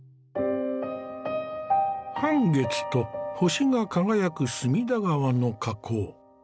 半月と星が輝く隅田川の河口。